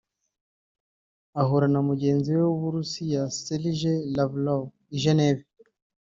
ahura na mugenziwe w’Uburusiya Sergei Lavlov i Geneve